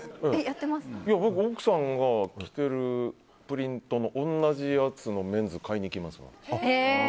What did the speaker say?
僕、奥さんが着てるプリントの同じやつのメンズを買いに行きますもん。